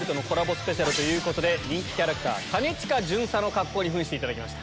スペシャルということで人気キャラクター兼近巡査に扮していただきました。